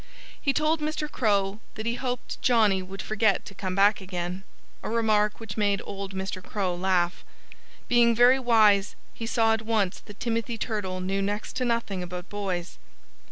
He told Mr. Crow that he hoped Johnnie would forget to come back again a remark which made old Mr. Crow laugh. Being very wise, he saw at once that Timothy Turtle knew next to nothing about boys.